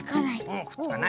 うんくっつかない。